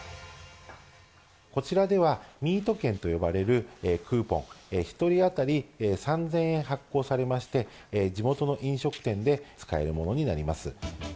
こちらでは、ミート券と呼ばれるクーポン、１人当たり３０００円発行されまして、地元の飲食店で使えるものになります。